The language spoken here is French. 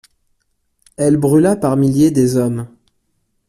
Elle brûla par milliers des hommes.